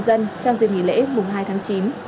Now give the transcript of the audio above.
trong dịp nghỉ lễ mùng hai tháng chín